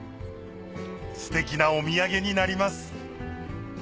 ステキなお土産になります